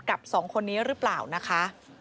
สองคนนี้หรือเปล่านะคะ